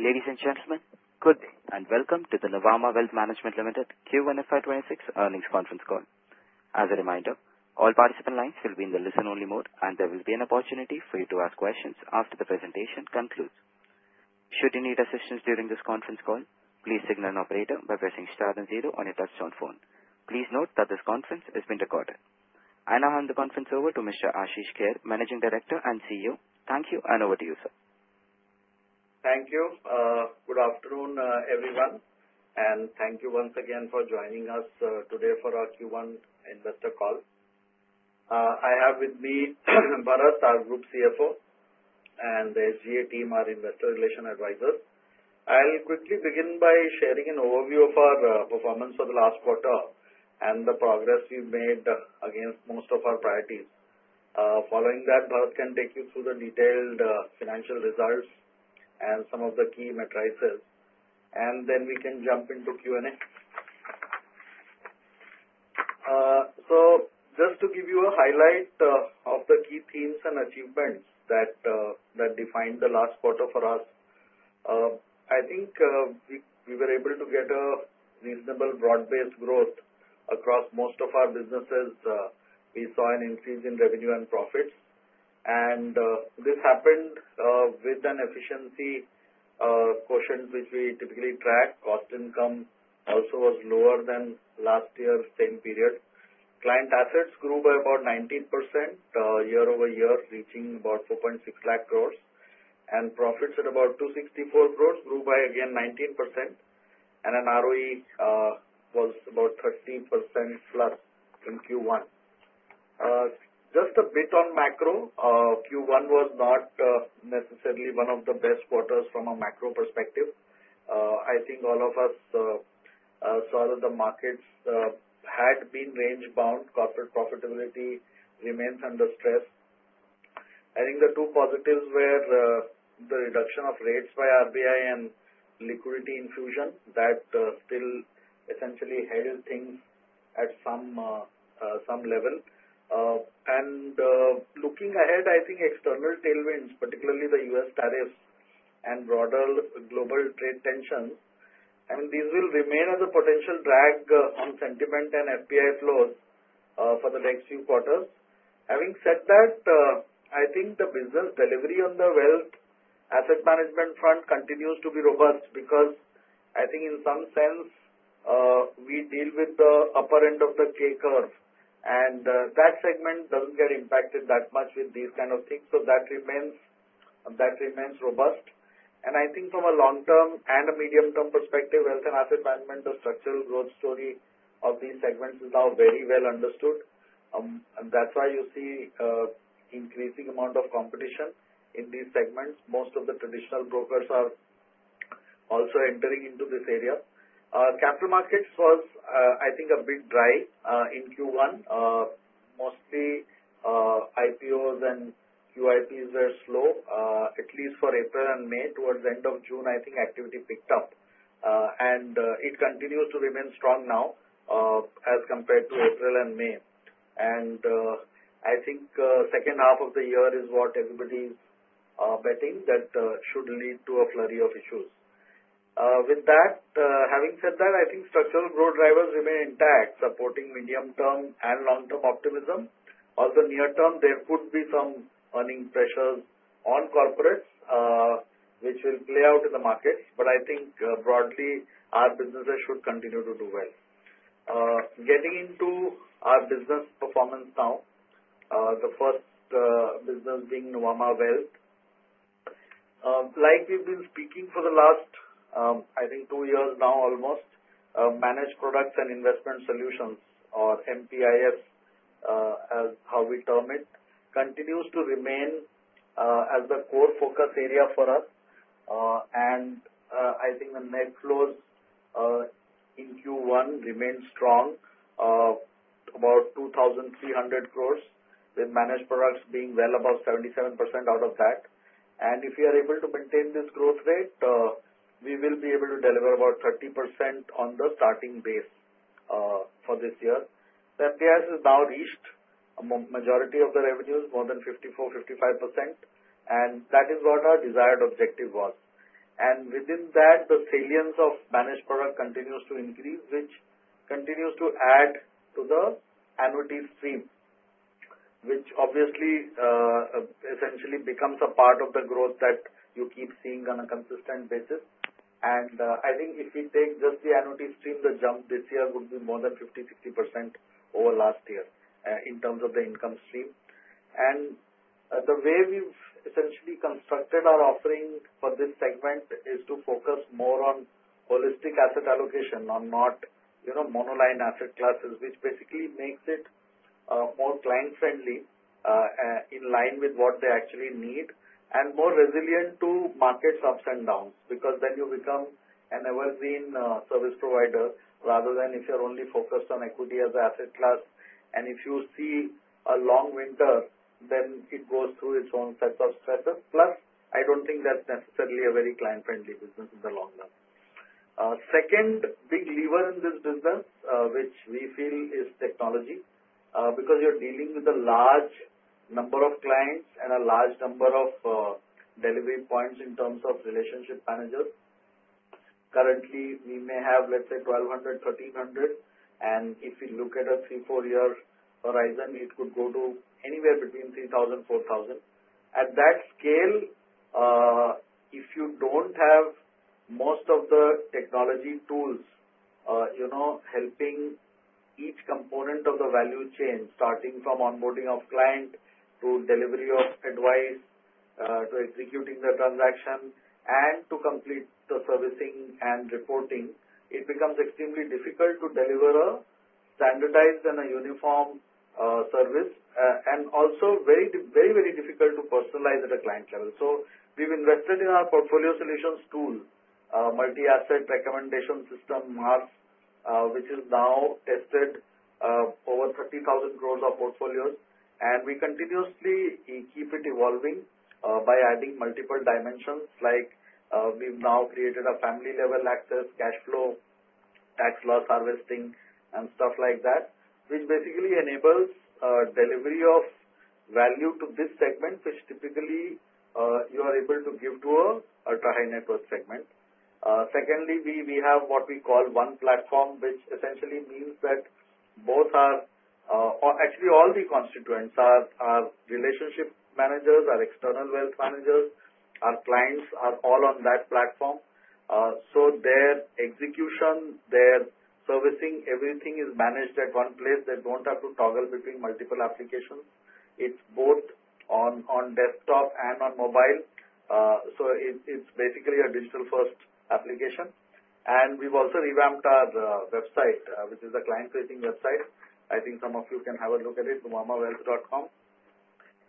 Ladies and gentlemen, good day and welcome to the Nuvama Wealth Management Limited Q1 FY '26 Earnings Conference Call. As a reminder, all participant lines will be in the listen-only mode, and there will be an opportunity for you to ask questions after the presentation concludes. Should you need assistance during this conference call, please signal an operator by pressing * and 0 on your touch-tone phone. Please note that this conference is being recorded. I now hand the conference over to Mr. Ashish Kehair, Managing Director and CEO. Thank you, and over to you, sir. Thank you. Good afternoon, everyone, and thank you once again for joining us today for our Q1 investor call. I have with me Bharath, our Group CFO, and the SGA team, our investor relations advisors. I'll quickly begin by sharing an overview of our performance for the last quarter and the progress we've made against most of our priorities. Following that, Bharath can take you through the detailed financial results and some of the key metrics, and then we can jump into Q&A. So just to give you a highlight of the key themes and achievements that defined the last quarter for us, I think we were able to get a reasonable broad-based growth across most of our businesses. We saw an increase in revenue and profits, and this happened with an efficiency quotient, which we typically track. Cost income also was lower than last year's same period. Client assets grew by about 19% year-over-year, reaching about 4.6 lakh crores, and profits at about 264 crores grew by again 19%, and an ROE was about 30% plus in Q1. Just a bit on macro, Q1 was not necessarily one of the best quarters from a macro perspective. I think all of us saw that the markets had been range-bound. Corporate profitability remains under stress. I think the two positives were the reduction of rates by RBI and liquidity infusion that still essentially held things at some level, and looking ahead, I think external tailwinds, particularly the U.S. tariffs and broader global trade tensions, I mean, these will remain as a potential drag on sentiment and FPI flows for the next few quarters. Having said that, I think the business delivery on the wealth asset management front continues to be robust because I think in some sense we deal with the upper end of the K curve, and that segment doesn't get impacted that much with these kind of things. So that remains robust. And I think from a long-term and a medium-term perspective, wealth and asset management, the structural growth story of these segments is now very well understood. That's why you see an increasing amount of competition in these segments. Most of the traditional brokers are also entering into this area. Capital Markets was, I think, a bit dry in Q1. Mostly IPOs and QIPs were slow, at least for April and May. Towards the end of June, I think activity picked up, and it continues to remain strong now as compared to April and May. And I think the second half of the year is what everybody's betting that should lead to a flurry of issues. With that, having said that, I think structural growth drivers remain intact, supporting medium-term and long-term optimism. Also, near-term, there could be some earnings pressures on corporates, which will play out in the markets. But I think broadly, our businesses should continue to do well. Getting into our business performance now, the first business being Nuvama Wealth. Like we've been speaking for the last, I think, two years now almost, Managed Products and Investment Solutions, or MPIS, as how we term it, continues to remain as the core focus area for us. And I think the net flows in Q1 remain strong, about 2,300 crores, with managed products being well above 77% out of that. If we are able to maintain this growth rate, we will be able to deliver about 30% on the starting base for this year. The MPIS has now reached a majority of the revenues, more than 54%, 55%, and that is what our desired objective was. Within that, the salience of Managed Products continues to increase, which continues to add to the annuity stream, which obviously essentially becomes a part of the growth that you keep seeing on a consistent basis. I think if we take just the annuity stream, the jump this year would be more than 50%, 60% over last year in terms of the income stream. And the way we've essentially constructed our offering for this segment is to focus more on holistic asset allocation, not monoline asset classes, which basically makes it more client-friendly, in line with what they actually need, and more resilient to markets' ups and downs because then you become an evergreen service provider rather than if you're only focused on equity as an asset class. And if you see a long winter, then it goes through its own sets of stresses. Plus, I don't think that's necessarily a very client-friendly business in the long run. Second big lever in this business, which we feel, is technology because you're dealing with a large number of clients and a large number of delivery points in terms of relationship managers. Currently, we may have, let's say, 1,200-1,300, and if you look at a three-, four-year horizon, it could go to anywhere between 3,000-4,000. At that scale, if you don't have most of the technology tools helping each component of the value chain, starting from onboarding of client to delivery of advice to executing the transaction and to complete the servicing and reporting, it becomes extremely difficult to deliver a standardized and a uniform service and also very, very difficult to personalize at a client level. So we've invested in our portfolio solutions tool, Multi-Asset Recommendation System, MARS, which is now tested over 30,000 crores of portfolios. We continuously keep it evolving by adding multiple dimensions, like we've now created a family-level access, cash flow, tax loss harvesting, and stuff like that, which basically enables delivery of value to this segment, which typically you are able to give to a high-net-worth segment. Secondly, we have what we call One Platform, which essentially means that both are actually all the constituents: our relationship managers, our external wealth managers, our clients are all on that platform. Their execution, their servicing, everything is managed at one place. They don't have to toggle between multiple applications. It's both on desktop and on mobile. It's basically a digital-first application. We've also revamped our website, which is a client-facing website. I think some of you can have a look at it, nuvamawealth.com.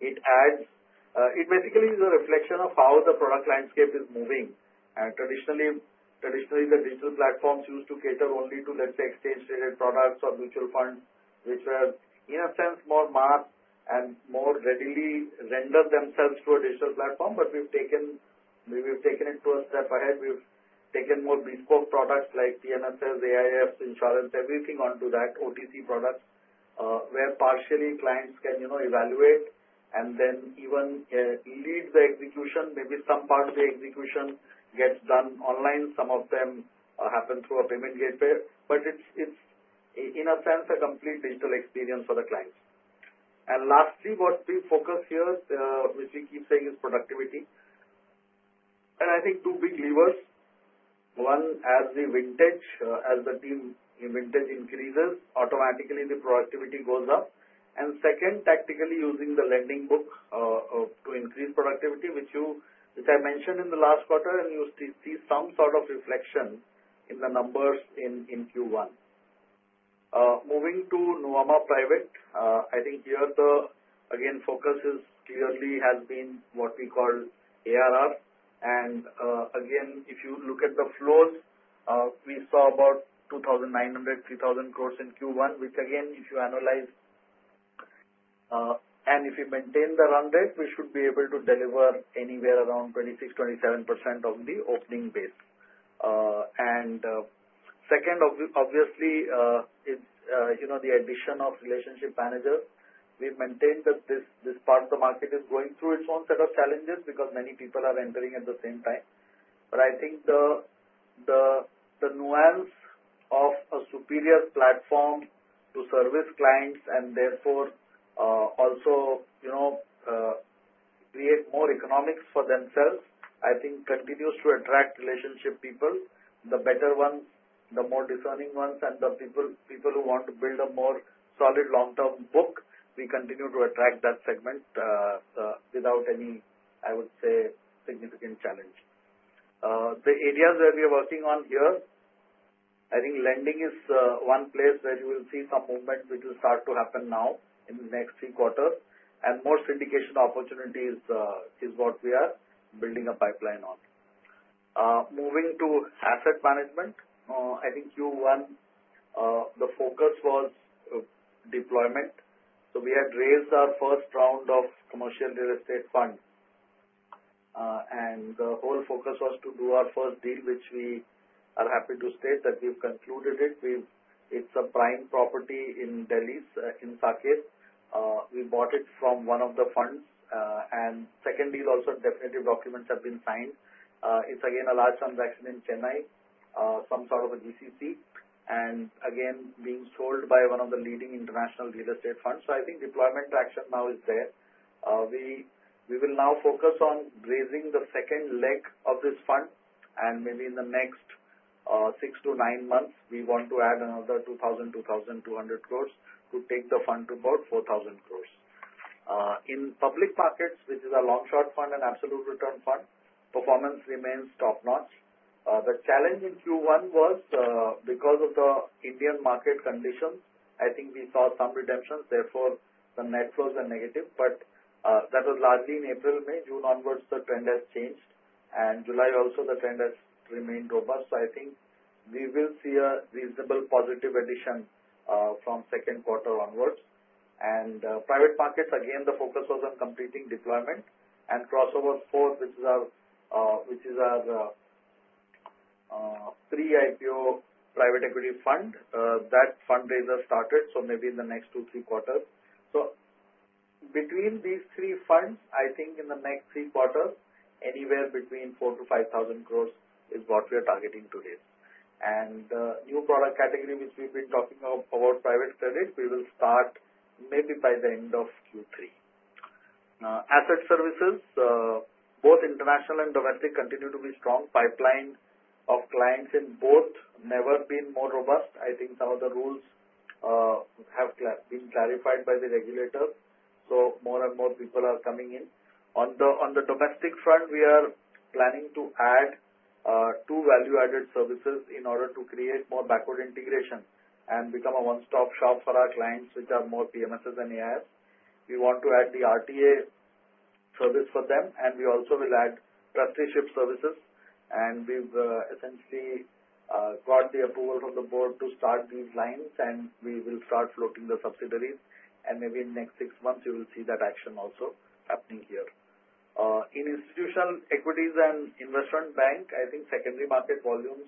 It basically is a reflection of how the product landscape is moving. Traditionally, the digital platforms used to cater only to, let's say, exchange-traded products or mutual funds, which were, in a sense, more MARS and more readily rendered themselves to a digital platform. But we've taken it to a step ahead. We've taken more bespoke products like PMSs, AIFs, insurance, everything onto that, OTC products, where partially clients can evaluate and then even lead the execution. Maybe some part of the execution gets done online. Some of them happen through a payment gateway. But it's, in a sense, a complete digital experience for the clients. And lastly, what we focus here, which we keep saying, is productivity. And I think two big levers. One, as the vintage, as the team vintage increases, automatically the productivity goes up. Second, tactically using the lending book to increase productivity, which I mentioned in the last quarter, and you see some sort of reflection in the numbers in Q1. Moving to Nuvama Private, I think here the, again, focus has clearly been what we call ARR. And again, if you look at the flows, we saw about 2,900-3,000 crores in Q1, which again, if you analyze and if you maintain the run rate, we should be able to deliver anywhere around 26%-27% of the opening base. And second, obviously, the addition of relationship managers. We've maintained that this part of the market is going through its own set of challenges because many people are entering at the same time. But I think the nuance of a superior platform to service clients and therefore also create more economics for themselves, I think continues to attract relationship people. The better ones, the more discerning ones, and the people who want to build a more solid long-term book, we continue to attract that segment without any, I would say, significant challenge. The areas where we are working on here, I think lending is one place where you will see some movement, which will start to happen now in the next three quarters, and more syndication opportunities is what we are building a pipeline on. Moving to asset management, I think Q1, the focus was deployment. So we had raised our first round of commercial real estate fund, and the whole focus was to do our first deal, which we are happy to state that we've concluded it. It's a prime property in Delhi, in Saket. We bought it from one of the funds, and second deal, also definitive documents have been signed. It's again a large transaction in Chennai, some sort of a GCC, and again being sold by one of the leading international real estate funds. So I think deployment action now is there. We will now focus on raising the second leg of this fund, and maybe in the next six to nine months, we want to add another 2,000-2,200 crores to take the fund to about 4,000 crores. In public markets, which is a long-short fund, an absolute return fund, performance remains top-notch. The challenge in Q1 was because of the Indian market conditions. I think we saw some redemptions. Therefore, the net flows are negative. But that was largely in April, May. June onwards, the trend has changed, and July also, the trend has remained robust. So I think we will see a reasonable positive addition from second quarter onwards. And private markets, again, the focus was on completing deployment and Crossover IV, which is our pre-IPO private equity fund. That fundraiser started, so maybe in the next two, three quarters. So between these three funds, I think in the next three quarters, anywhere between 4,000-5,000 crores is what we are targeting today. And the new product category, which we've been talking about, Private Credit, we will start maybe by the end of Q3. Asset Services, both international and domestic, continue to be strong. Pipeline of clients in both never been more robust. I think some of the rules have been clarified by the regulators, so more and more people are coming in. On the domestic front, we are planning to add two value-added services in order to create more backward integration and become a one-stop shop for our clients, which are more PMSs and AIFs. We want to add the RTA service for them, and we also will add trusteeship services. And we've essentially got the approval from the board to start these lines, and we will start floating the subsidiaries. And maybe in the next six months, you will see that action also happening here. In institutional equities and investment banking, I think secondary market volumes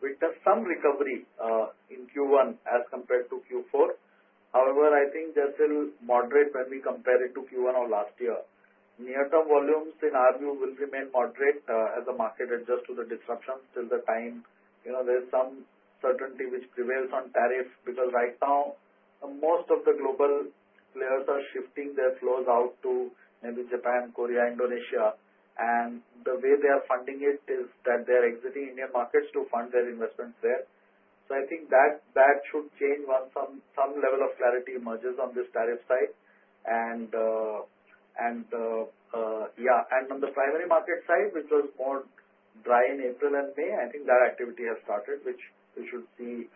witnessed some recovery in Q1 as compared to Q4. However, I think they're still moderate when we compare it to Q1 of last year. Near-term volumes in RMU will remain moderate as the market adjusts to the disruptions till the time there's some certainty which prevails on tariffs because right now, most of the global players are shifting their flows out to maybe Japan, Korea, Indonesia. And the way they are funding it is that they are exiting Indian markets to fund their investments there. So I think that should change once some level of clarity emerges on this tariff side. And yeah, and on the primary market side, which was more dry in April and May, I think that activity has started, which we should see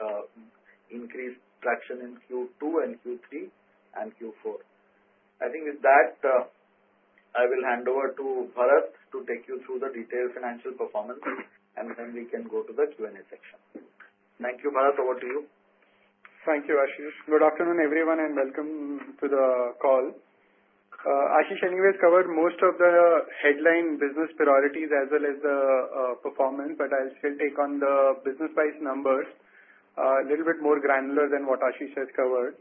increased traction in Q2 and Q3 and Q4. I think with that, I will hand over to Bharath to take you through the detailed financial performance, and then we can go to the Q&A section. Thank you, Bharath. Over to you. Thank you, Ashish. Good afternoon, everyone, and welcome to the call. Ashish anyways covered most of the headline business priorities as well as the performance, but I'll still take on the business-wise numbers, a little bit more granular than what Ashish has covered.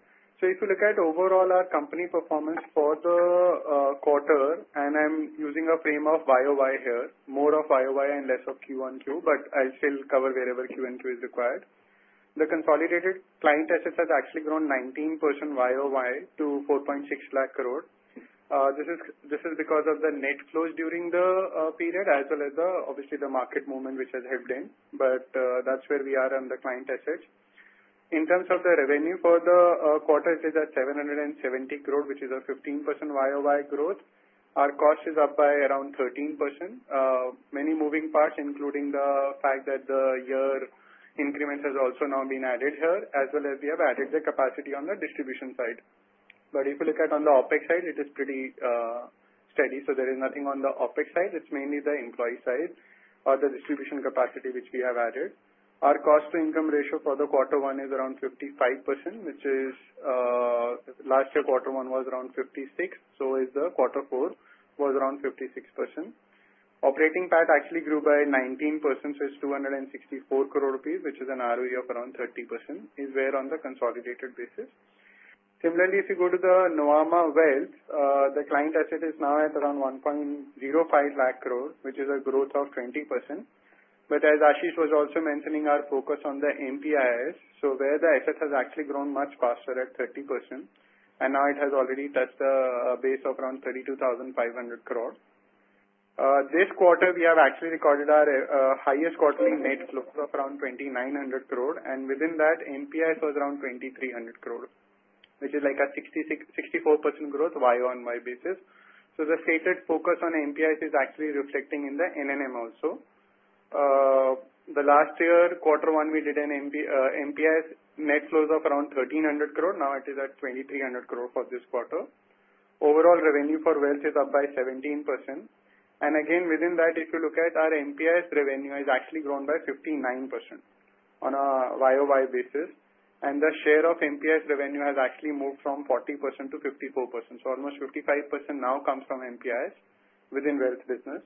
So if you look at overall our company performance for the quarter, and I'm using a frame of YoY here, more of YoY and less of QoQ, but I'll still cover wherever Q1Q is required. The consolidated client assets have actually grown 19% YoY to 4.6 lakh crores. This is because of the net flows during the period, as well as obviously the market movement which has helped in. But that's where we are on the client assets. In terms of the revenue for the quarter, it is at 770 crores, which is a 15% YoY growth. Our cost is up by around 13%. Many moving parts, including the fact that the year increments have also now been added here, as well as we have added the capacity on the distribution side. But if you look at on the OpEx side, it is pretty steady. There is nothing on the OpEx side. It's mainly the employee side or the distribution capacity which we have added. Our cost-to-income ratio for the quarter one is around 55%, which is last year quarter one was around 56%, so is the quarter four was around 56%. Operating PAT actually grew by 19%, so it's 264 crores, which is an ROE of around 30%, is where on the consolidated basis. Similarly, if you go to the Nuvama Wealth, the client asset is now at around 1.05 lakh crores, which is a growth of 20%. But as Ashish was also mentioning, our focus on the MPIS, so where the assets have actually grown much faster at 30%, and now it has already touched a base of around 32,500 crores. This quarter, we have actually recorded our highest quarterly net flows of around 2,900 crores, and within that, MPIS was around 2,300 crores, which is like a 64% growth YoY basis. So the stated focus on MPIS is actually reflecting in the NLM also. The last year, quarter one, we did an MPIS net flows of around 1,300 crores. Now it is at 2,300 crores for this quarter. Overall revenue for wealth is up by 17%. And again, within that, if you look at our MPIS revenue, it has actually grown by 59% on a YoY basis. And the share of MPIS revenue has actually moved from 40% to 54%. So almost 55% now comes from MPIS within wealth business.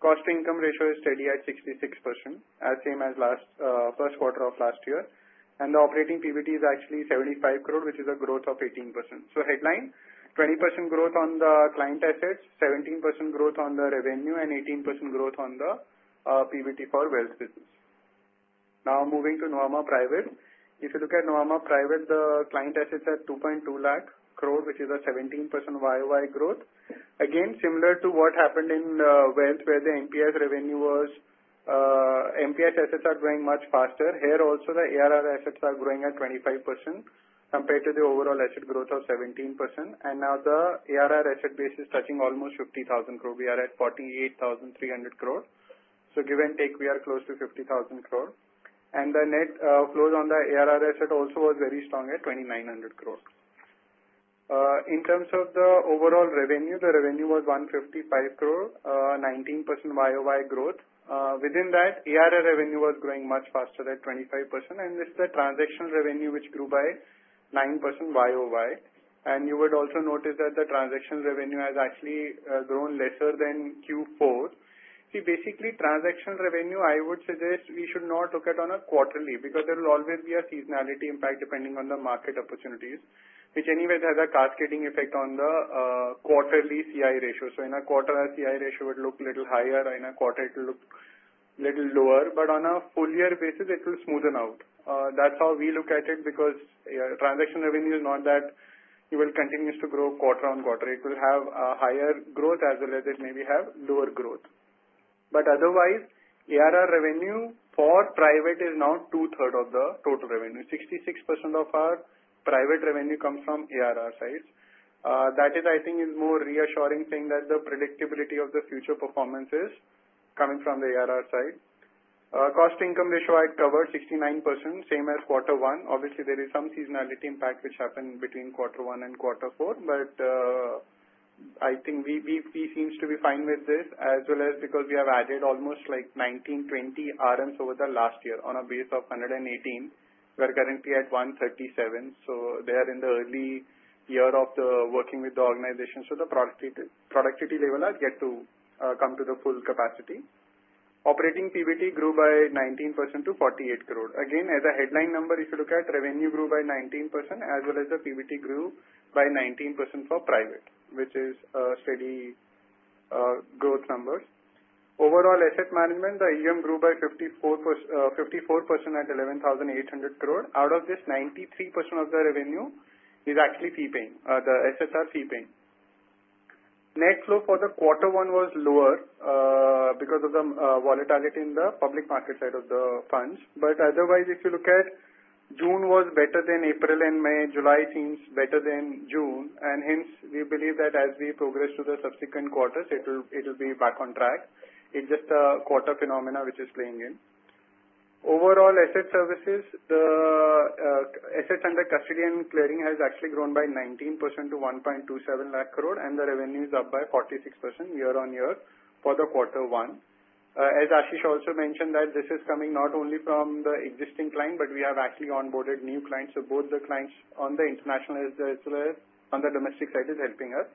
Cost-to-income ratio is steady at 66%, same as first quarter of last year. And the operating PBT is actually 75 crores, which is a growth of 18%. So, headline, 20% growth on the client assets, 17% growth on the revenue, and 18% growth on the PBT for wealth business. Now moving to Nuvama Private. If you look at Nuvama Private, the client assets are 2.2 lakh crores, which is a 17% YoY growth. Again, similar to what happened in wealth, where the MPIS assets are growing much faster. Here also, the ARR assets are growing at 25% compared to the overall asset growth of 17%. And now the ARR asset base is touching almost 50,000 crores. We are at 48,300 crores. So give and take, we are close to 50,000 crores. And the net flows on the ARR asset also were very strong at 2,900 crores. In terms of the overall revenue, the revenue was 155 crores, 19% YoY growth. Within that, ARR revenue was growing much faster at 25%. This is the transactional revenue, which grew by 9% YoY. You would also notice that the transactional revenue has actually grown lesser than Q4. See, basically, transactional revenue, I would suggest we should not look at on a quarterly because there will always be a seasonality impact depending on the market opportunities, which anyways has a cascading effect on the quarterly CI ratio. So in a quarter, our CI ratio would look a little higher. In a quarter, it will look a little lower. But on a full-year basis, it will smoothen out. That's how we look at it because transactional revenue is not that it will continue to grow quarter on quarter. It will have a higher growth as well as it may have lower growth. But otherwise, ARR revenue for private is now two-thirds of the total revenue, 66% of our private revenue comes from ARR side. That is, I think, is more reassuring saying that the predictability of the future performance is coming from the ARR side. Cost-to-income ratio I covered 69%, same as quarter one. Obviously, there is some seasonality impact which happened between quarter one and quarter four, but I think we seem to be fine with this as well as because we have added almost like 19-20 RMs over the last year on a base of 118. We're currently at 137. So they are in the early year of working with the organization. So the productivity level has yet to come to the full capacity. Operating PBT grew by 19% to 48 crores. Again, as a headline number, if you look at revenue grew by 19% as well as the PBT grew by 19% for private, which is steady growth numbers. Overall asset management, the AUM grew by 54% at 11,800 crores. Out of this, 93% of the revenue is actually fee-paying. The assets are fee-paying. Net flow for the quarter one was lower because of the volatility in the public market side of the funds. But otherwise, if you look at June was better than April and May, July seems better than June. And hence, we believe that as we progress to the subsequent quarters, it will be back on track. It's just a quarter phenomenon which is playing in. Overall asset services, the assets under custody and clearing has actually grown by 19% to 1.27 lakh crores, and the revenue is up by 46% year on year for the quarter one. As Ashish also mentioned, this is coming not only from the existing client, but we have actually onboarded new clients. So both the clients on the international as well as on the domestic side is helping us.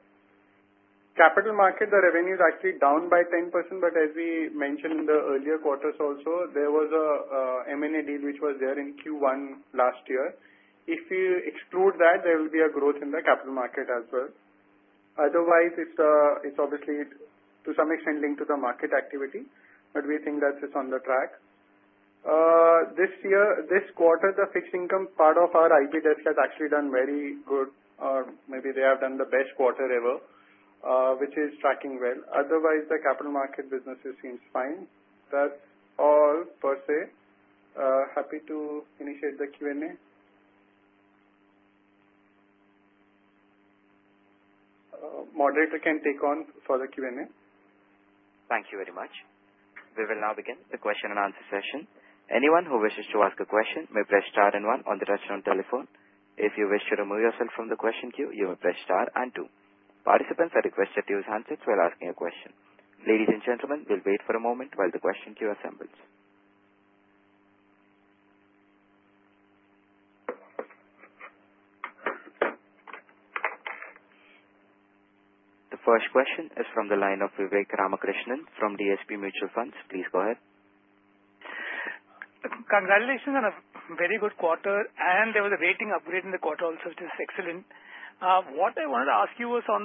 Capital Markets, the revenue is actually down by 10%, but as we mentioned in the earlier quarters also, there was an M&A deal which was there in Q1 last year. If you exclude that, there will be a growth in the Capital Markets as well. Otherwise, it's obviously to some extent linked to the market activity, but we think that it's on the track. This quarter, the fixed income part of our IB desk has actually done very good. Maybe they have done the best quarter ever, which is tracking well. Otherwise, the Capital Markets businesses seem fine. That's all per se. Happy to initiate the Q&A. Moderator can take on for the Q&A. Thank you very much. We will now begin the Q&A session. Anyone who wishes to ask a question may press * and 1 on the touchtone telephone. If you wish to remove yourself from the question queue, you may press * and 2. Participants are requested to use handsets while asking a question. Ladies and gentlemen, we'll wait for a moment while the question queue assembles. The first question is from the line of Vivek Ramakrishnan from DSP Mutual Fund. Please go ahead. Congratulations on a very good quarter, and there was a rating upgrade in the quarter also, which is excellent. What I wanted to ask you was on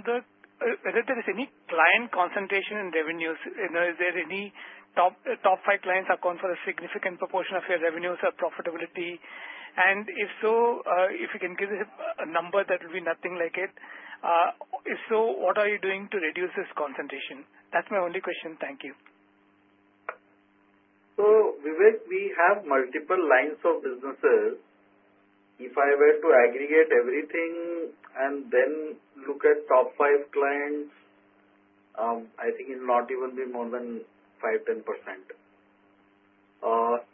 whether there is any client concentration in revenues. Is there any top five clients account for a significant proportion of your revenues or profitability? And if so, if you can give us a number, that would be nothing like it. If so, what are you doing to reduce this concentration? That's my only question. Thank you. So Vivek, we have multiple lines of businesses. If I were to aggregate everything and then look at top five clients, I think it will not even be more than 5%-10%.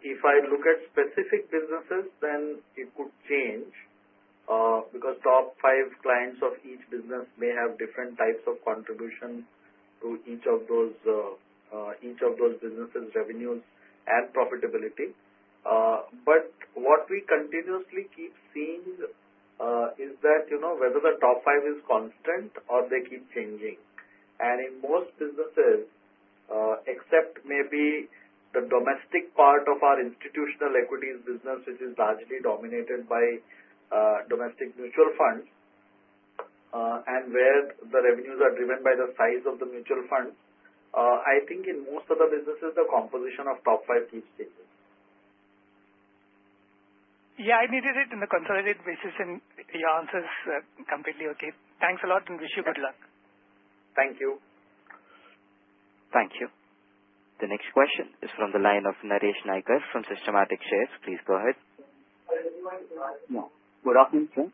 If I look at specific businesses, then it could change because top five clients of each business may have different types of contribution to each of those businesses, revenues and profitability. But what we continuously keep seeing is that whether the top five is constant or they keep changing. And in most businesses, except maybe the domestic part of our institutional equities business, which is largely dominated by domestic mutual funds and where the revenues are driven by the size of the mutual funds, I think in most of the businesses, the composition of top five keeps changing. Yeah, I needed it in the consolidated basis, and your answer is completely okay. Thanks a lot and wish you good luck. Thank you. Thank you. The next question is from the line of Naresh Naiker from Systematix Group. Please go ahead. Good afternoon, sir.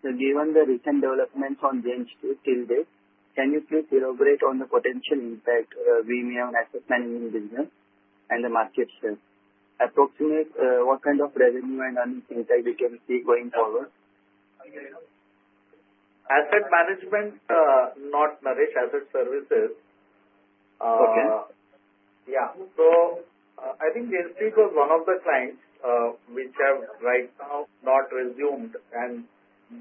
So given the recent developments on Jane Street till date, can you please elaborate on the potential impact of HFT on asset management business and the market share? Approximate what kind of revenue and earnings impact we can see going forward? Asset management, not Naresh... Asset services. Okay. Yeah. So I think Jane Street was one of the clients which have right now not resumed, and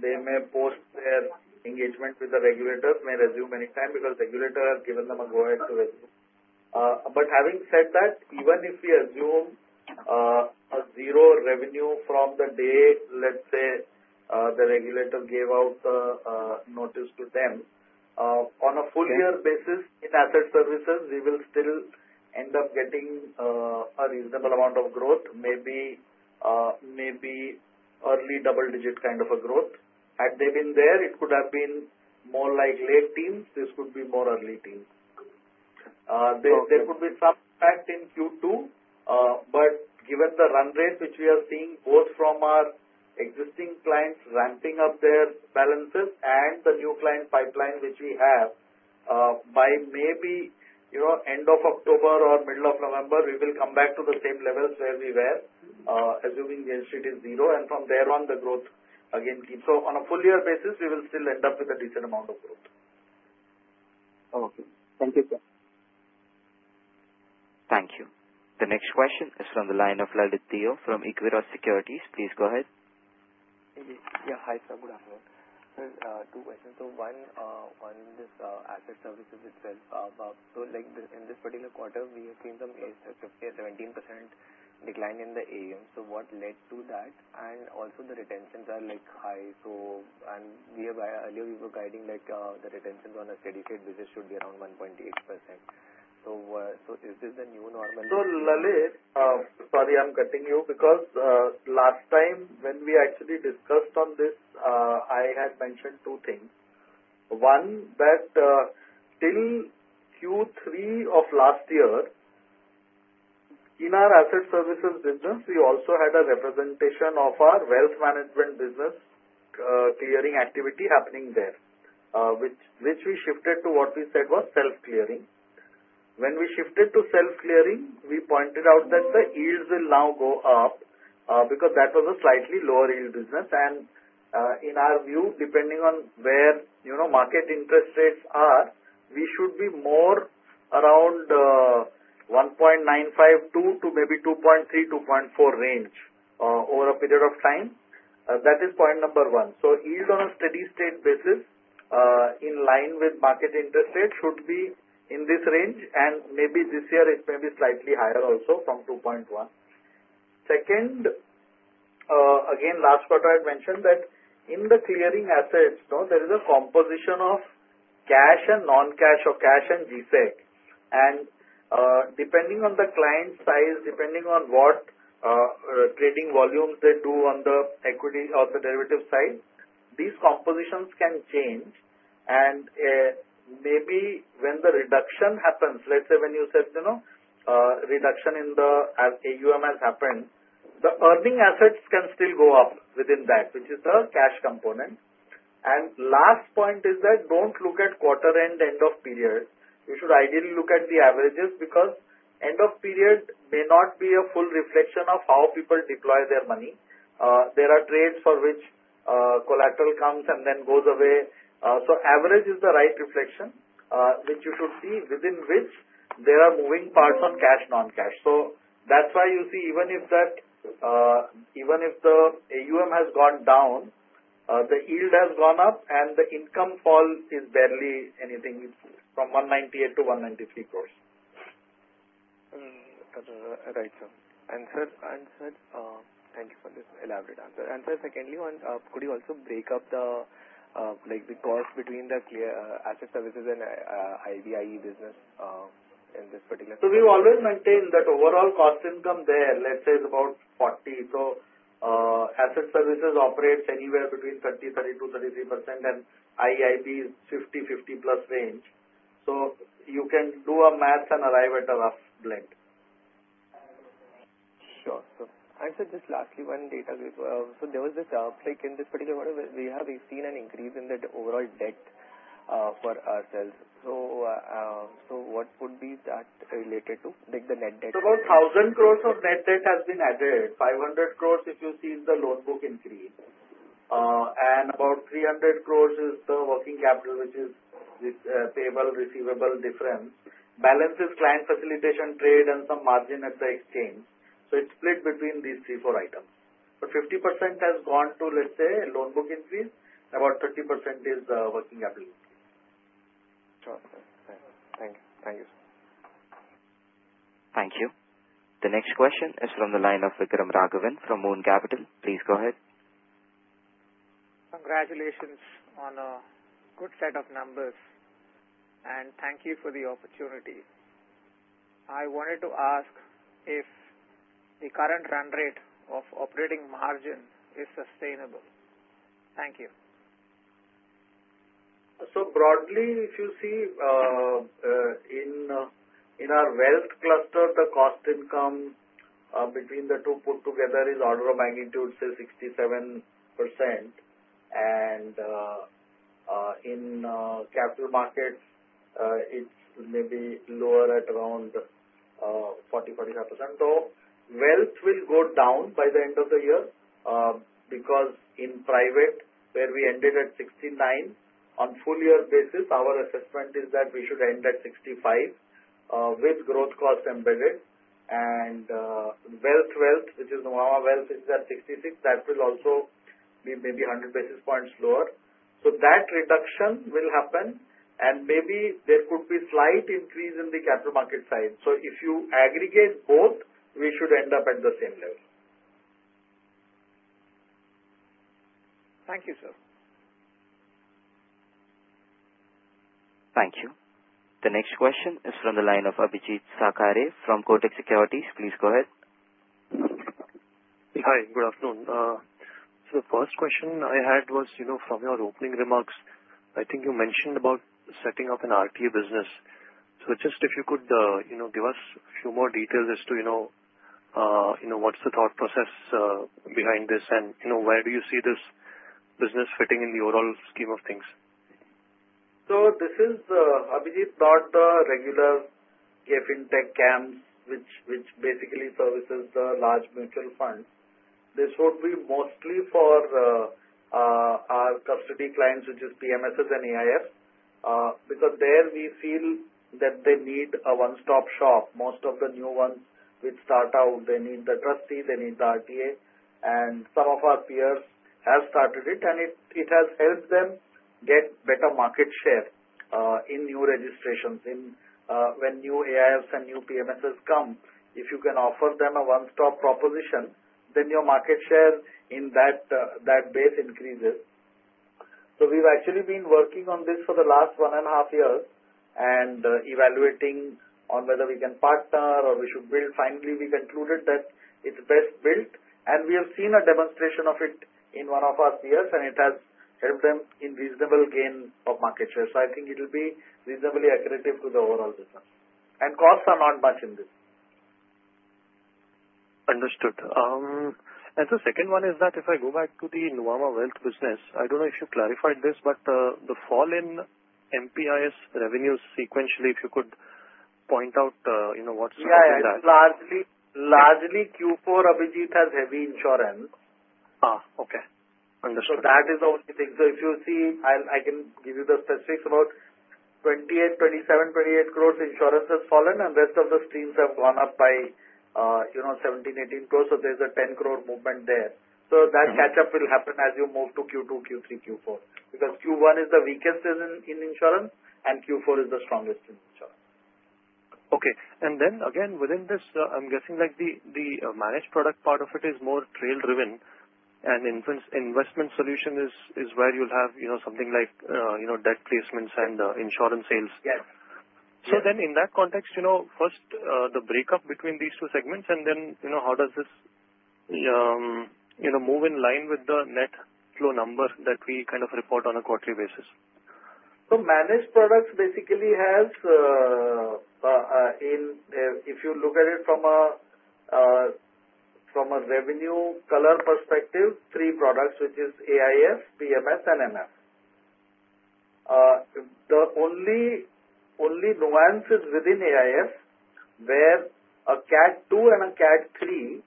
they may post their engagement with the regulators, may resume anytime because the regulator has given them a go ahead to resume. But having said that, even if we assume a zero revenue from the day, let's say the regulator gave out the notice to them, on a full-year basis in asset services, we will still end up getting a reasonable amount of growth, maybe early double-digit kind of a growth. Had they been there, it could have been more like late teens. This could be more early teens. There could be some impact in Q2, but given the run rate which we are seeing both from our existing clients ramping up their balances and the new client pipeline which we have, by maybe end of October or middle of November, we will come back to the same levels where we were, assuming Jane Street is zero. And from there on, the growth again keeps. So on a full-year basis, we will still end up with a decent amount of growth. Okay. Thank you, sir. Thank you. The next question is from the line of Lalit Deo from Equirus Securities. Please go ahead. Yeah. Hi, sir. Good afternoon. Two questions. So one is Asset Services itself. So in this particular quarter, we have seen some 17% decline in the AUMs. So what led to that? And also, the retentions are high. And earlier, we were guiding the retentions on a steady state business should be around 1.8%. So Lalit, sorry, I'm cutting you because last time when we actually discussed on this, I had mentioned two things. One, that till Q3 of last year, in our Asset Services business, we also had a representation of our Wealth Management business clearing activity happening there, which we shifted to what we said was self-clearing. When we shifted to self-clearing, we pointed out that the yields will now go up because that was a slightly lower yield business, and in our view, depending on where market interest rates are, we should be more around 1.952% to maybe 2.3%-2.4% range over a period of time. That is point number one, so yield on a steady state basis in line with market interest rate should be in this range, and maybe this year it may be slightly higher also from 2.1%. Second, again, last quarter, I had mentioned that in the clearing assets, there is a composition of cash and non-cash or cash and Gsec. And depending on the client size, depending on what trading volumes they do on the equity or the derivative side, these compositions can change. And maybe when the reduction happens, let's say when you said reduction in the AUM has happened, the earning assets can still go up within that, which is the cash component. And last point is that don't look at quarter and end of period. You should ideally look at the averages because end of period may not be a full reflection of how people deploy their money. There are trades for which collateral comes and then goes away. So average is the right reflection, which you should see within which there are moving parts on cash, non-cash. So that's why you see even if the AUM has gone down, the yield has gone up, and the income fall is barely anything from 198 crores to 193 crores. Right. And sir, thank you for this elaborate answer. Sir, secondly, could you also break up the cost between the Asset Services and IB business in this particular? So we've always maintained that overall cost-to-income ratio there, let's say, is about 40%. So Asset Services operates anywhere between 30%-33%, and IB is 50-50% plus range. So you can do the math and arrive at a rough blend. Sure. And sir, just lastly, one data point. So there was an uptick in this particular quarter, we have seen an increase in the overall debt for ourselves. So what would be that related to? The net debt? About 1,000 crores of net debt has been added. 500 crores, if you see, is the loan book increase. And about 300 crores is the working capital, which is payables-receivables difference. Balance is client facilitation trade and some margin at the exchange. So it's split between these three, four items. But 50% has gone to, let's say, loan book increase. About 30% is the working capital increase. Sure. Thank you. Thank you. The next question is from the line of Vikram Raghavan from Moon Capital. Please go ahead. Congratulations on a good set of numbers. And thank you for the opportunity. I wanted to ask if the current run rate of operating margin is sustainable? Thank you. So broadly, if you see, in our wealth cluster, the cost-to-income between the two put together is order of magnitude, say, 67%. And in capital markets, it's maybe lower at around 40%-45%. So wealth will go down by the end of the year because in private, where we ended at 69%, on full-year basis, our assessment is that we should end at 65% with growth cost embedded wealth, which is the Nuvama Wealth, is at 66. That will also be maybe 100 basis points lower. So that reduction will happen, and maybe there could be slight increase in the capital market side. So if you aggregate both, we should end up at the same level. Thank you, sir. Thank you. The next question is from the line of Abhijeet Sakhare from Kotak Securities. Please go ahead. Hi. Good afternoon. So the first question I had was from your opening remarks. I think you mentioned about setting up an RTA business. So just if you could give us a few more details as to what's the thought process behind this and where do you see this business fitting in the overall scheme of things? So Abhijeet not a regular Fintech CAMS, which basically services the large mutual funds. This would be mostly for our custody clients, which is PMSs and AIFs, because there we feel that they need a one-stop shop. Most of the new ones which start out, they need the trustee, they need the RTA, and some of our peers have started it, and it has helped them get better market share in new registrations. When new AIFs and new PMSs come, if you can offer them a one-stop proposition, then your market share in that base increases. So we've actually been working on this for the last one and a half years and evaluating on whether we can partner or we should build. Finally, we concluded that it's best built, and we have seen a demonstration of it in one of our peers, and it has helped them in reasonable gain of market share. So I think it will be reasonably accurate to the overall business. And costs are not much in this. Understood. And the second one is that if I go back to the Nuvama Wealth Business, I don't know if you clarified this, but the fall in MPIS revenues sequentially, if you could point out what's happening there? Yeah. It's largely Q4, Abhijeet, has heavy insurance. Okay. Understood. So that is also the thing. So if you see, I can give you the specifics about 27-28 crores insurance has fallen, and rest of the streams have gone up by 17-18 crores. So there's a 10-crore movement there. So that catch-up will happen as you move to Q2, Q3, Q4 because Q1 is the weakest in insurance, and Q4 is the strongest in insurance. Okay. And then again, within this, I'm guessing the managed product part of it is more trail-driven, and investment solution is where you'll have something like debt placements and insurance sales? Yes. So then in that context, first, the breakup between these two segments, and then how does this move in line with the net flow number that we kind of report on a quarterly basis? So managed products basically have in if you look at it from a revenue color perspective, three products, which is AIF, PMS, and MF. The only nuance is within AIF where a Cat II and a Cat III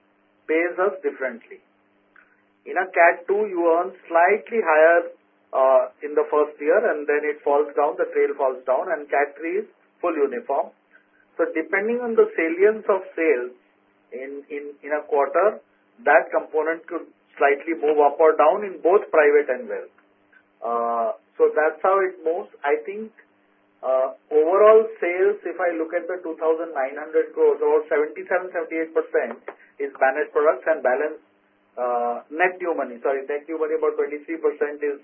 pays us differently. In a Cat II, you earn slightly higher in the first year, and then it falls down. The trail falls down, and Cat III is full uniform. So depending on the salience of sales in a quarter, that component could slightly move up or down in both private and wealth. So that's how it moves. I think overall sales, if I look at the 2,900 crores, or 77-78% is managed products and balance net new money. Sorry, net new money about 23%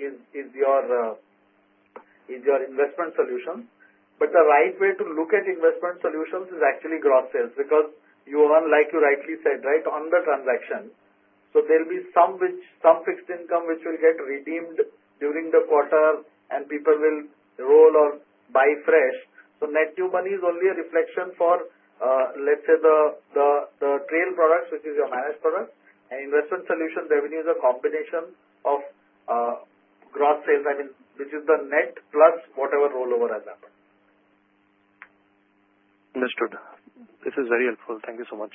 is your investment solutions. But the right way to look at investment solutions is actually gross sales because you earn, like you rightly said, right on the transaction. So there'll be some fixed income which will get redeemed during the quarter, and people will roll or buy fresh. So net new money is only a reflection for, let's say, the trail products, which is your managed products. And investment solution revenue is a combination of gross sales, which is the net plus whatever rollover has happened. Understood. This is very helpful. Thank you so much.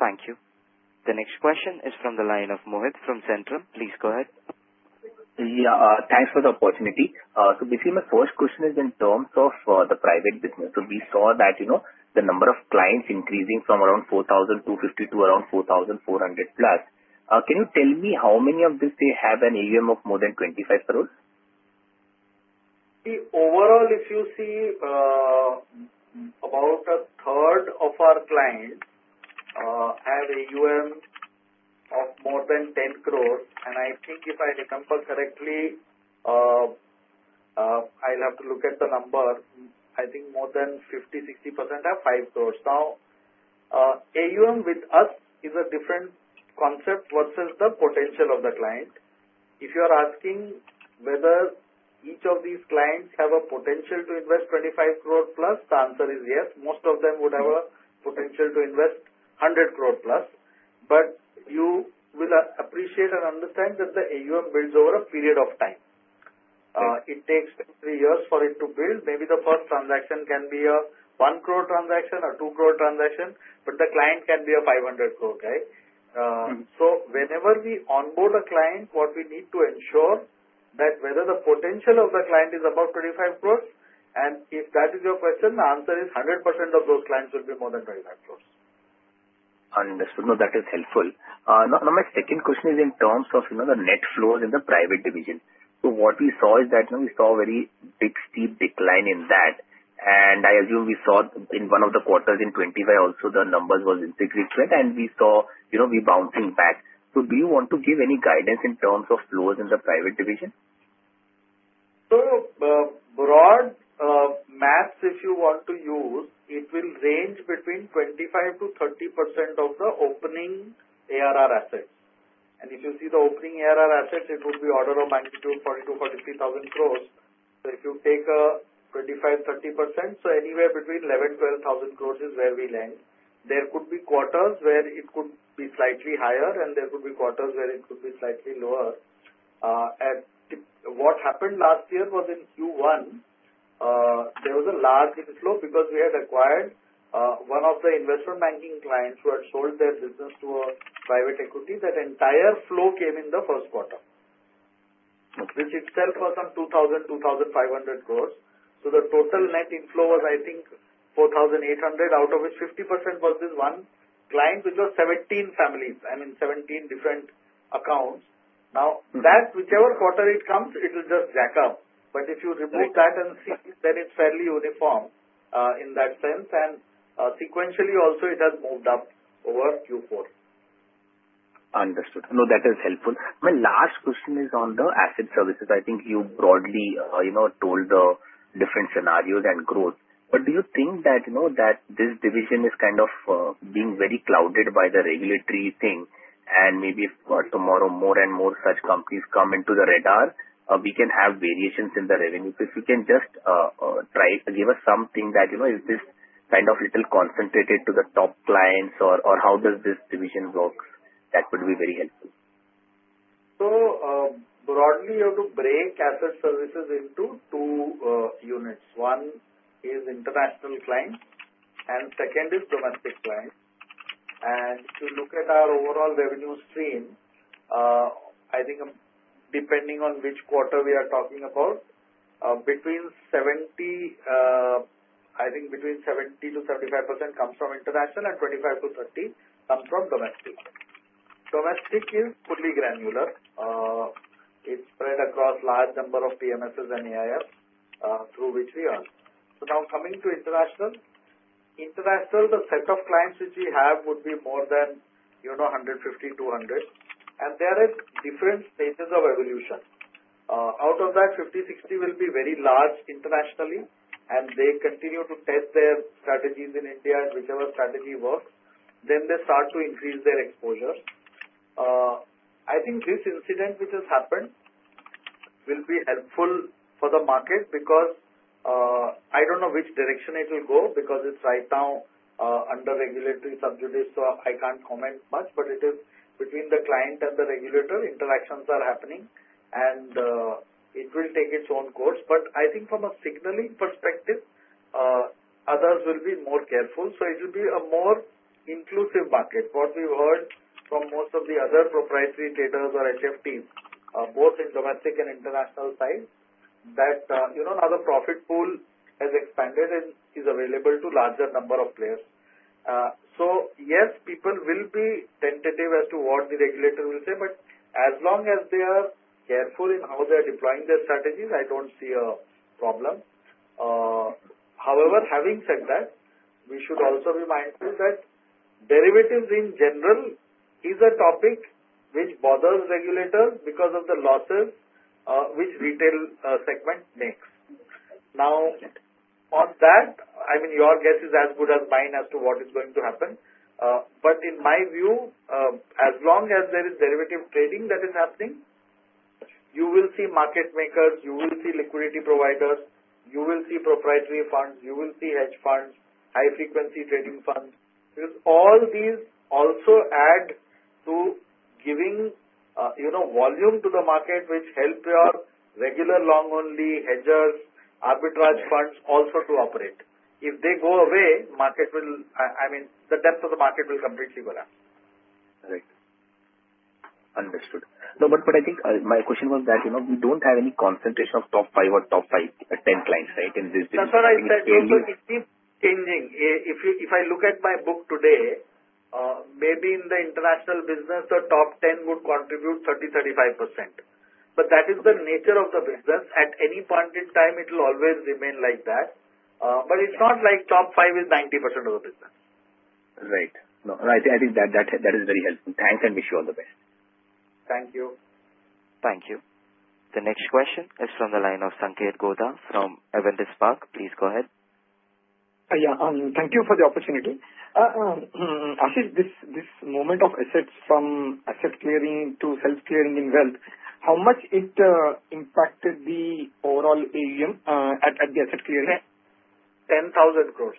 Thank you. The next question is from the line of Mohit from Centrum. Please go ahead. Yeah. Thanks for the opportunity. So basically, my first question is in terms of the private business. So we saw that the number of clients increasing from around 4,250 to around 4,400 plus. Can you tell me how many of these they have an AUM of more than 25 crores? Overall, if you see, about 1/3 of our clients have AUM of more than 10 crores. And I think if I remember correctly, I'll have to look at the number. I think more than 50%-60% have 5 crores. Now, AUM with us is a different concept versus the potential of the client. If you're asking whether each of these clients have a potential to invest 25 crore plus, the answer is yes. Most of them would have a potential to invest 100 crore plus. But you will appreciate and understand that the AUM builds over a period of time. It takes three years for it to build. Maybe the first transaction can be a 1 crore transaction or 2 crore transaction, but the client can be a 500 crore, right? So whenever we onboard a client, what we need to ensure that whether the potential of the client is above 25 crores. And if that is your question, the answer is 100% of those clients will be more than 25 crores. Understood. No, that is helpful. Now, my second question is in terms of the net flows in the private division. So what we saw is that we saw a very big steep decline in that. I assume we saw in one of the quarters in 2025, also the numbers were anemic, and we saw it bouncing back. Do you want to give any guidance in terms of flows in the private division? Broad math, if you want to use, it will range between 25%-30% of the opening ARR assets. If you see the opening ARR assets, it would be order of magnitude 42-43 thousand crores. If you take a 25%-30%, so anywhere between 11-12 thousand crores is where we land. There could be quarters where it could be slightly higher, and there could be quarters where it could be slightly lower. What happened last year was in Q1, there was a large inflow because we had acquired one of the investment banking clients who had sold their business to a private equity. That entire flow came in the first quarter, which itself was on 2,000-2,500 crores. So the total net inflow was, I think, 4,800 crores, out of which 50% was this one client, which was 17 families. I mean, 17 different accounts. Now, that whichever quarter it comes, it will just jack up. But if you remove that and see, then it's fairly uniform in that sense. And sequentially, also, it has moved up over Q4. Understood. No, that is helpful. My last question is on the Asset Services. I think you broadly told the different scenarios and growth. But do you think that this division is kind of being very clouded by the regulatory thing? And maybe tomorrow, more and more such companies come into the radar. We can have variations in the revenue. If you can just try to give us something that is this kind of little concentrated to the top clients, or how does this division work, that would be very helpful. So broadly, you have to break Asset Services into two units. One is international clients, and second is domestic clients, and if you look at our overall revenue stream, I think depending on which quarter we are talking about, I think between 70%-75% comes from international, and 25%-30% comes from domestic. Domestic is fully granular. It's spread across a large number of PMSs and AIFs through which we earn. So now coming to international, international, the set of clients which we have would be more than 150-200. And there are different stages of evolution. Out of that, 50-60 will be very large internationally, and they continue to test their strategies in India and whichever strategy works. Then they start to increase their exposure. I think this incident which has happened will be helpful for the market because I don't know which direction it will go because it's right now under regulatory scrutiny. So I can't comment much, but it is between the client and the regulator. Interactions are happening, and it will take its own course. But I think from a signaling perspective, others will be more careful. So it will be a more inclusive market. What we've heard from most of the other proprietary traders or HFTs, both in domestic and international side, that now the profit pool has expanded and is available to a larger number of players. So yes, people will be tentative as to what the regulator will say, but as long as they are careful in how they are deploying their strategies, I don't see a problem. However, having said that, we should also be mindful that derivatives in general is a topic which bothers regulators because of the losses which retail segment makes. Now, on that, I mean, your guess is as good as mine as to what is going to happen. But in my view, as long as there is derivative trading that is happening, you will see market makers, you will see liquidity providers, you will see proprietary funds, you will see hedge funds, high-frequency trading funds. Because all these also add to giving volume to the market, which helps your regular long-only hedgers, arbitrage funds also to operate. If they go away, market will, I mean, the depth of the market will completely collapse. Right. Understood. No, but I think my question was that we don't have any concentration of top five or top 10 clients, right, in this business. No, sir, I think it keeps changing. If I look at my book today, maybe in the international business, the top 10 would contribute 30%-35%. But that is the nature of the business. At any point in time, it will always remain like that. But it's not like top five is 90% of the business. Right. No, I think that is very helpful. Thanks, and wish you all the best. Thank you. Thank you. The next question is from the line of Sanketh Godha from Avendus Spark. Please go ahead. Yeah. Thank you for the opportunity. Ashish, this movement of assets from asset clearing to self-clearing in wealth, how much it impacted the overall AUM at the asset clearing? 10,000 crores.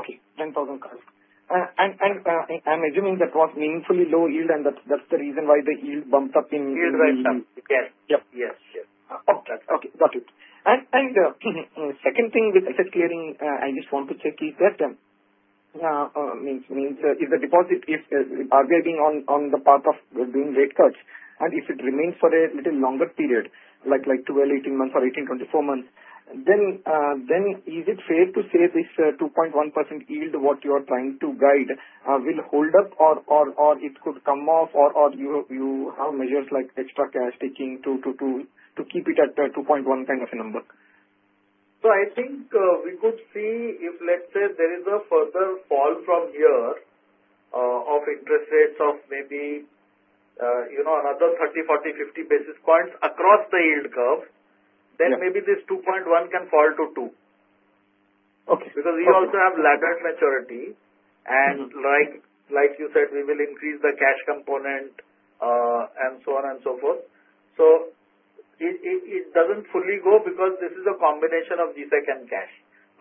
Okay. 10,000 crores. And I'm assuming that was meaningfully low yield, and that's the reason why the yield bumped up in wealth. Yield went up, Yes. Yes. Yes. Okay. Got it. And second thing with asset clearing, I just want to check if that means if the deposit, if we are being on the path of doing rate cuts, and if it remains for a little longer period, like 12-18 months or 18-24 months, then is it fair to say this 2.1% yield, what you are trying to guide, will hold up, or it could come off, or you have measures like extra cash taking to keep it at 2.1 kind of a number? So I think we could see if, let's say, there is a further fall from here of interest rates of maybe another 30, 40, 50 basis points across the yield curve, then maybe this 2.1 can fall to 2. Because we also have laddered maturity, and like you said, we will increase the cash component and so on and so forth. So it doesn't fully go because this is a combination of Gsec and cash.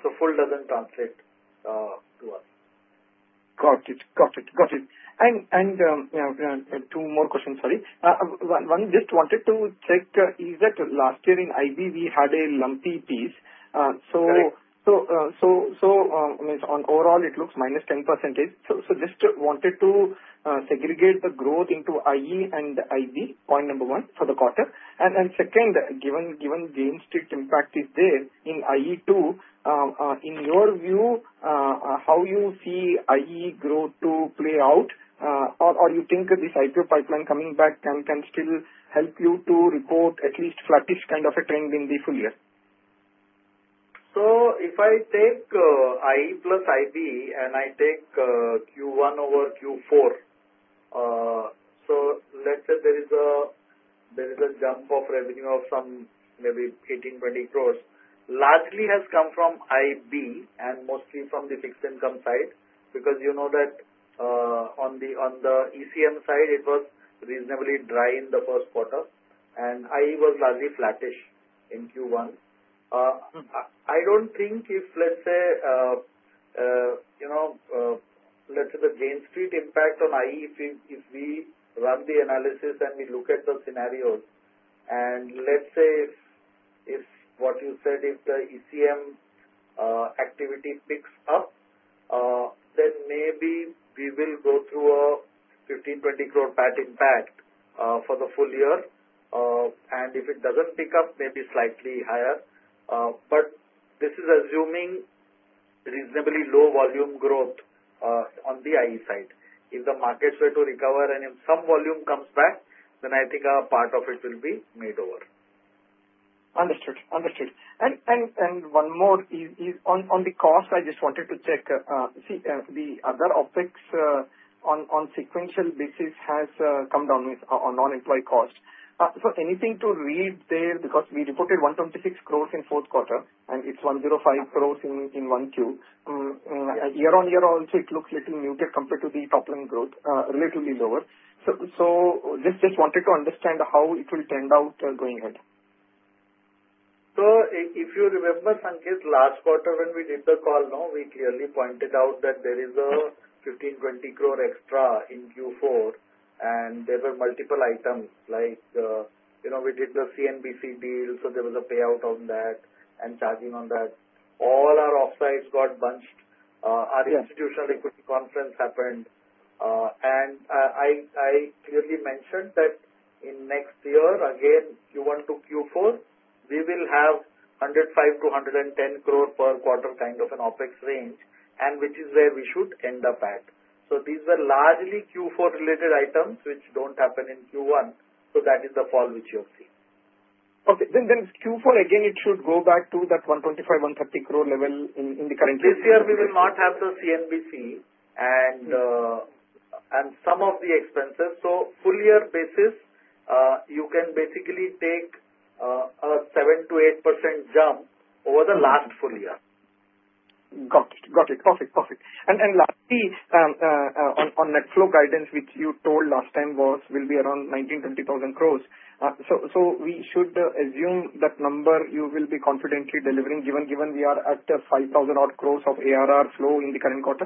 So full doesn't translate to us. Got it. Got it. Got it. And two more questions, sorry. One, just wanted to check, last year in IB, we had a lumpy piece. So overall, it looks minus 10%. So just wanted to segregate the growth into IE and IB, point number one for the quarter. Second, given Jane Street impact is there in IE too, in your view, how you see IE growth to play out, or you think this IPO pipeline coming back can still help you to report at least flattish kind of a trend in the full year? If I take IE plus IB, and I take Q1 over Q4, let's say there is a jump of revenue of some maybe 18-20 crores, largely has come from IB and mostly from the fixed income side because you know that on the ECM side, it was reasonably dry in the first quarter, and IE was largely flattish in Q1. I don't think if, let's say, let's say the Jane Street impact on IE, if we run the analysis and we look at the scenarios, and let's say if what you said, if the ECM activity picks up, then maybe we will go through a 15 crore-20 crore net impact for the full year. If it doesn't pick up, maybe slightly higher. But this is assuming reasonably low volume growth on the IE side. If the markets were to recover and if some volume comes back, then I think a part of it will be made over. Understood. Understood. One more is on the cost. I just wanted to check. See, the other OpEx on sequential basis has come down with non-employee cost. So anything to read there because we reported 126 crores in fourth quarter, and it's 105 crores in Q1. Year on year also, it looks a little muted compared to the top-line growth, relatively lower. So just wanted to understand how it will turn out going ahead. So if you remember, Sanketh, last quarter when we did the call, we clearly pointed out that there is 15-20 crore extra in Q4, and there were multiple items like we did the CNBC deal, so there was a payout on that and charging on that. All our offsites got bunched. Our institutional equity conference happened. And I clearly mentioned that in next year, again, Q1 to Q4, we will have 105-110 crore per quarter kind of an OpEx range, and which is where we should end up at. So these were largely Q4 related items which don't happen in Q1. So that is the fall which you have seen. Okay. Then Q4, again, it should go back to that 125-130 crore level in the current year. This year, we will not have the CNBC and some of the expenses. So full year basis, you can basically take a 7-8% jump over the last full year. Got it. Got it. Perfect. Perfect. And lastly, on net flow guidance, which you told last time was will be around 19-20 thousand crores. So we should assume that number you will be confidently delivering given we are at 5,000-odd crores of ARR flow in the current quarter?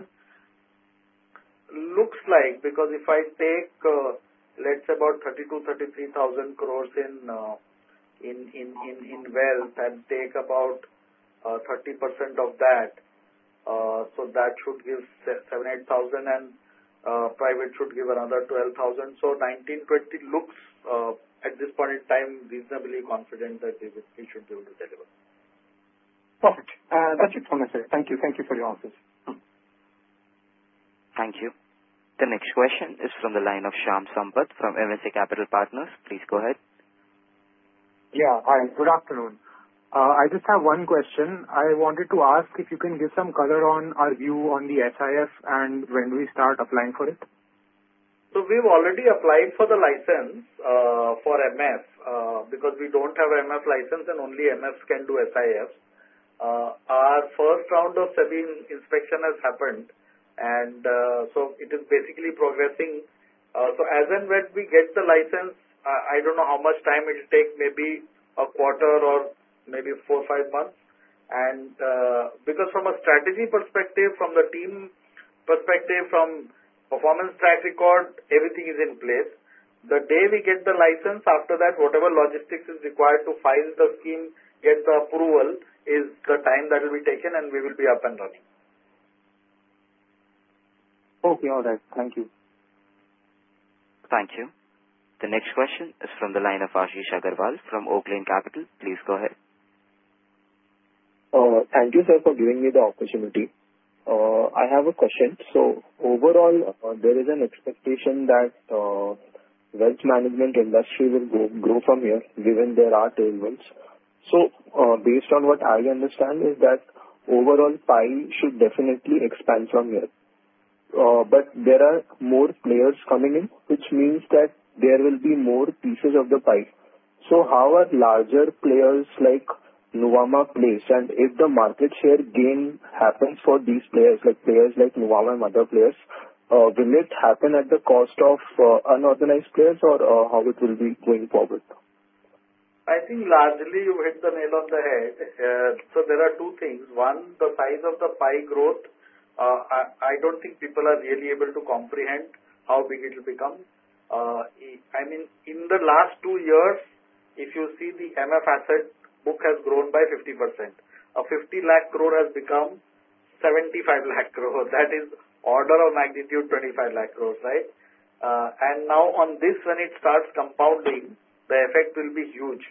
Looks like because if I take, let's say, about 32-33 thousand crores in wealth and take about 30% of that, so that should give 7-8 thousand, and private should give another 12,000 crore. So 19-20 crore looks at this point in time reasonably confident that we should be able to deliver. Perfect. That should be all I said. Thank you. Thank you for your answers. Thank you. The next question is from the line of Shyam Sampat from Avendus Capital Partners. Please go ahead. Yeah. Hi. Good afternoon. I just have one question. I wanted to ask if you can give some color on our view on the SIF and when we start applying for it. So we've already applied for the license for MF because we don't have MF license and only MFs can do SIF. Our first round of inspection has happened, and so it is basically progressing. So as and when we get the license, I don't know how much time it will take, maybe a quarter or maybe four, five months. And because from a strategy perspective, from the team perspective, from performance track record, everything is in place. The day we get the license, after that, whatever logistics is required to file the scheme, get the approval, is the time that will be taken, and we will be up and running. Okay. All right. Thank you. Thank you. The next question is from the line of Ashish Agarwal from Oaklane Capital. Please go ahead. Thank you, sir, for giving me the opportunity. I have a question. So overall, there is an expectation that wealth management industry will grow from here given there are tailwinds. So based on what I understand is that overall, pie should definitely expand from here. But there are more players coming in, which means that there will be more pieces of the pie. So how are larger players like Nuvama placed? If the market share gain happens for these players, like players like Nuvama and other players, will it happen at the cost of unorganized players or how it will be going forward? I think largely you hit the nail on the head. So there are two things. One, the size of the pie growth. I don't think people are really able to comprehend how big it will become. I mean, in the last two years, if you see the MF asset book has grown by 50%. A 50 lakh crore has become 75 lakh crore. That is order of magnitude 25 lakh crores, right? And now on this, when it starts compounding, the effect will be huge.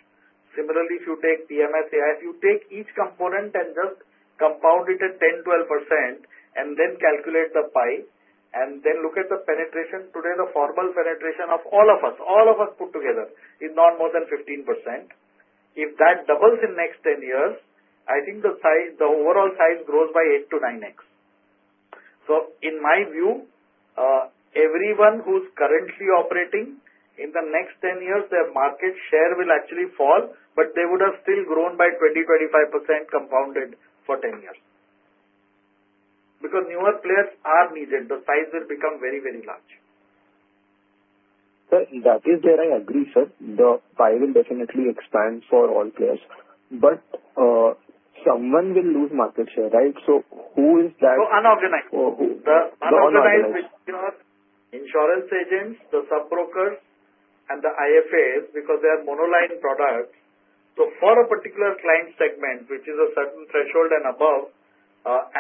Similarly, if you take PMS, AIF, if you take each component and just compound it at 10-12%, and then calculate the pie, and then look at the penetration, today the formal penetration of all of us, all of us put together, is not more than 15%. If that doubles in next 10 years, I think the overall size grows by 8-9x. So in my view, everyone who's currently operating, in the next 10 years, their market share will actually fall, but they would have still grown by 20-25% compounded for 10 years. Because newer players are needed, the size will become very, very large. That is where I agree, sir. The pie will definitely expand for all players. But someone will lose market share, right? So who is that? So unorganized, the unorganized insurance agents, the sub-brokers, and the IFAs, because they are monoline products. So for a particular client segment, which is a certain threshold and above,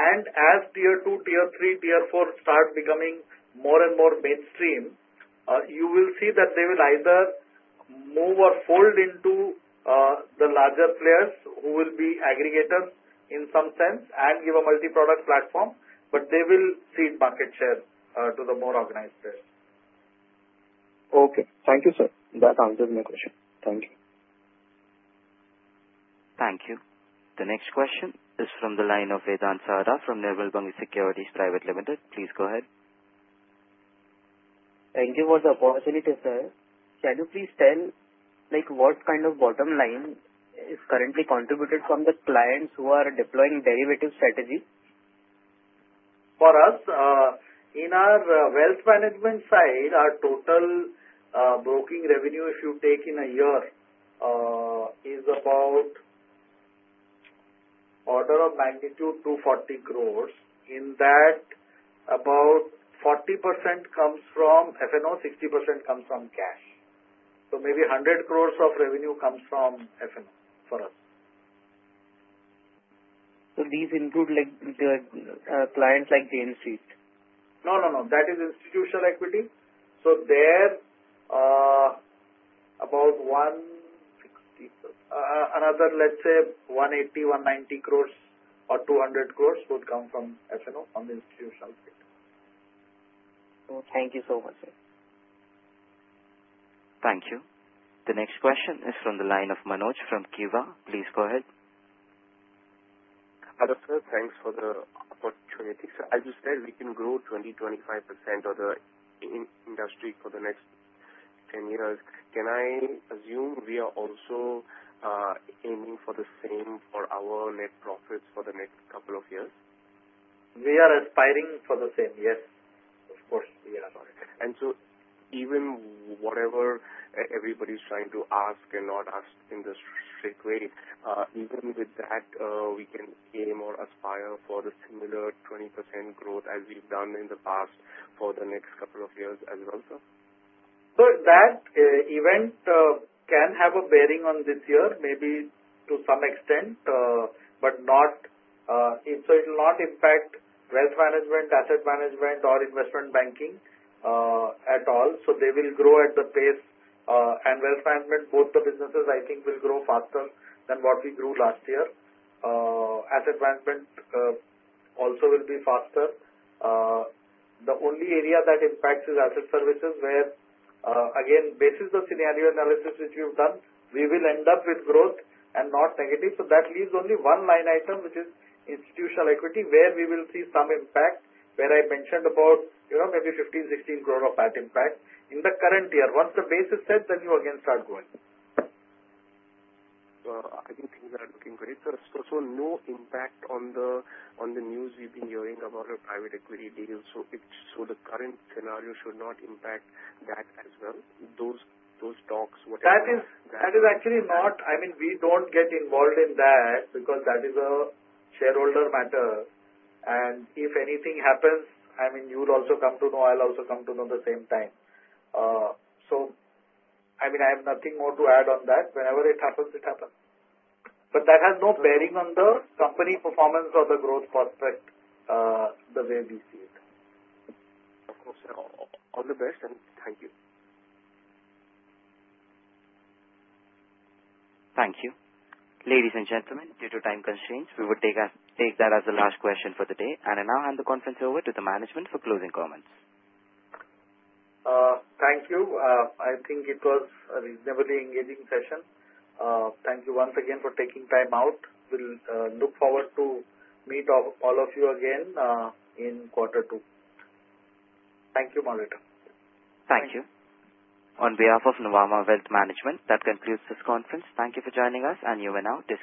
and as tier two, tier three, tier four start becoming more and more mainstream, you will see that they will either move or fold into the larger players who will be aggregators in some sense and give a multi-product platform, but they will cede market share to the more organized players. Okay. Thank you, sir. That answers my question. Thank you. Thank you. The next question is from the line of Vedant Sarda from Nirmal Bang Securities Private Limited. Please go ahead. Thank you for the opportunity, sir. Can you please tell what kind of bottom line is currently contributed from the clients who are deploying derivative strategy? For us, in our wealth management side, our total broking revenue, if you take in a year, is about order of magnitude 240 crores. In that, about 40% comes from F&O, 60% comes from cash. So maybe 100 crores of revenue comes from F&O for us. So these include clients like Jane Street? No, no, no. That is institutional equity. So there about another, let's say, 180 crores, 190 crores or 200 crores would come from F&O on the institutional side. Thank you so much, sir. Thank you. The next question is from the line of Manoj from Kivah. Please go ahead. Hello, sir. Thanks for the opportunity. So as you said, we can grow 20-25% of the industry for the next 10 years. Can I assume we are also aiming for the same for our net profits for the next couple of years? We are aspiring for the same. Yes. Of course, we are about it. And so even whatever everybody's trying to ask and not ask in the straight way, even with that, we can aim or aspire for the similar 20% growth as we've done in the past for the next couple of years as well, sir? So that event can have a bearing on this year, maybe to some extent, but not so it will not impact Wealth Management, Asset Management, or Investment Banking at all. So they will grow at the pace. And Wealth Management, both the businesses, I think, will grow faster than what we grew last year. Asset Management also will be faster. The only area that impacts is Asset Services where, again, based on the scenario analysis which we've done, we will end up with growth and not negative. So that leaves only one line item, which is Institutional Equities, where we will see some impact, where I mentioned about maybe 15-16 crore of that impact in the current year. Once the base is set, then you again start growing. So I think things are looking great, sir. So no impact on the news we've been hearing about our private equity deal. So the current scenario should not impact that as well. Those talks, whatever? That is actually not. I mean, we don't get involved in that because that is a shareholder matter. And if anything happens, I mean, you'll also come to know. I'll also come to know at the same time. So I mean, I have nothing more to add on that. Whenever it happens, it happens. But that has no bearing on the company performance or the growth prospect the way we see it. Of course, sir. All the best, and thank you. Thank you. Ladies and gentlemen, due to time constraints, we will take that as the last question for the day, and I now hand the conference over to the management for closing comments. Thank you. I think it was a reasonably engaging session. Thank you once again for taking time out. We'll look forward to meeting all of you again in quarter two. Thank you, Moderator. Thank you. On behalf of Nuvama Wealth Management, that concludes this conference. Thank you for joining us, and you may now.